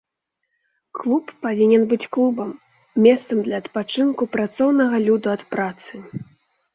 Клуб павінен быць клубам, месцам для адпачынку працоўнага люду ад працы.